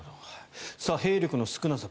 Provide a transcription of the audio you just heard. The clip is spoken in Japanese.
兵力の少なさ